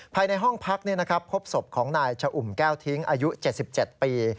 ภายในห้องพักพบศพของนายชะอุ่มแก้วทิ้งอายุ๗๗ปี